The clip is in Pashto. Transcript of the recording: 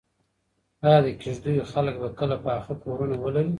ایا د کيږديو خلک به کله پاخه کورونه ولري؟